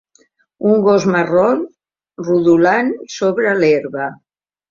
Un gos marró rodolant sobre l'herba.